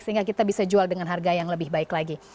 sehingga kita bisa jual dengan harga yang lebih baik lagi